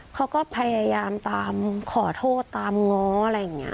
เขาก็พยายามตามขอโทษตามง้ออะไรอย่างนี้